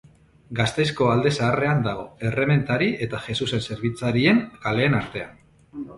Gasteizko Alde Zaharrean dago, Errementari eta Jesusen Zerbitzarien kaleen artean.